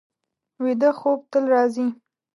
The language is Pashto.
ویده خوب تل راځي